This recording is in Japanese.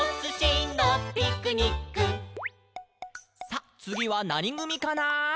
「さあ、つぎはなにぐみかな？」